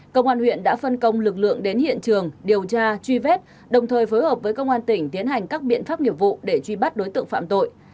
công an huyện đã phân công lực lượng đến hiện trường điều tra truy vết đồng thời phối hợp với công an tỉnh tiến hành các biện pháp nghiệp vụ để truy bắt đối tượng phạm tội